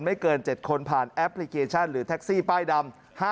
ไม่เกิน๗คนผ่านแอปพลิเคชันหรือแท็กซี่ป้ายดำ